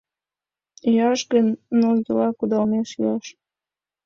— Йӱаш гын, ныл йола кудалмеш йӱаш!